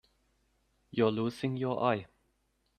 You're losing your eye.